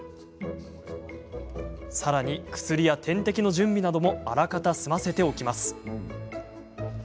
さらに、薬や点滴の準備などもあらかた済ませておきます。